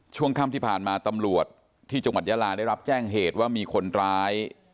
ช่วงค่ำที่ผ่านมาตำรวจที่จังหวัดยาลาได้รับแจ้งเหตุว่ามีคนร้าย